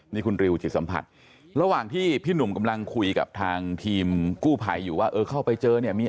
นี่คุณริวจิตสัมผัสระหว่างที่พี่หนุ่มกำลังคุยกับทางทีมกู้ภัยอยู่ว่าเออเข้าไปเจอเนี่ยมี